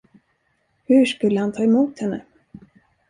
Hur skulle han ta emot henne?